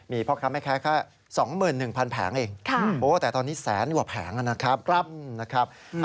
มีเพราะครับไม่แค่๒๑๐๐๐แผงเองโอ้โฮแต่ตอนนี้แสนกว่าแผงนะครับครับ